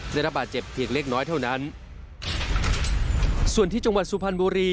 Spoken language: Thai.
ได้รับบาดเจ็บเพียงเล็กน้อยเท่านั้นส่วนที่จังหวัดสุพรรณบุรี